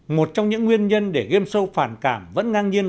một trong những nguyên nhân để game show phản cảm vẫn ngang nhiên